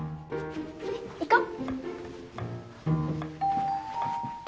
行こう。